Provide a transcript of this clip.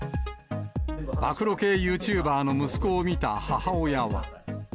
暴露系ユーチューバーの息子を見た母親は。